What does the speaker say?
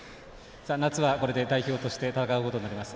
夏はこれで代表として戦うことになります。